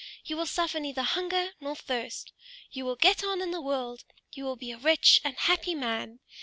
You will suffer neither hunger nor thirst! You will get on in the world! You will be a rich and happy man!